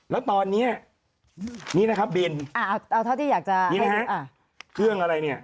แล้วตอนนี้นี่นะครับบิลนี่นะครับเครื่องอะไรเนี่ย